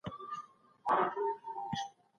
د ارغنداب سیند اوبه د حیواناتو لپاره هم مهمې دي.